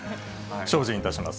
精進いたします。